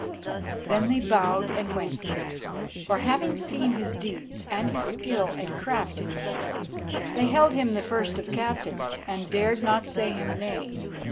Then they bowed and went, for having seen his deeds and his skill and craft in war, they held him the first of Captains, and dared not say him nay.